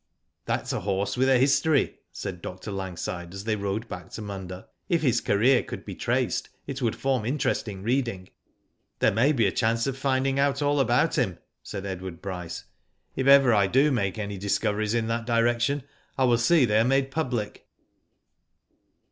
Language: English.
" That's a horse with a history," said Dr. Lang side, as they rode back to Munda. " If his career could be traced, it would form interesting reading." *' There may be a chance of finding out all about him," said Edward Bryce. '* If ever I do make any Digitized byGoogk MUNDA ONCE MORE, 289 discoveries in that direction I will see they are made public."